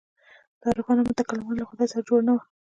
د عارفانو او متکلمانو له خدای سره جوړ نه وو.